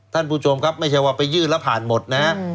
ท่านผู้โชมไม่ใช่ว่าเงินแล้วผ่านหมดนะ